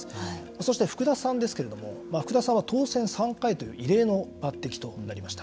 そして福田さんですけれども福田さんは当選３回という異例の抜てきとなりました。